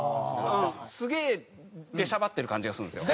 すげえでしゃばってる感じがするんですよ。